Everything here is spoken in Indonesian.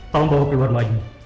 tolong bawa gue keluar lagi